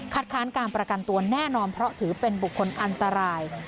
ค้านการประกันตัวแน่นอนเพราะถือเป็นบุคคลอันตราย